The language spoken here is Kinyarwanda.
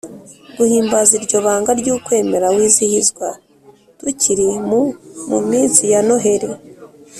guhimbaza iryo banga ry’ukwemera, wizihizwa tukiri mu muminsi ya noheli